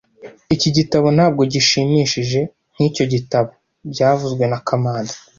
Iki gitabo ntabwo gishimishije nkicyo gitabo byavuzwe na kamanzi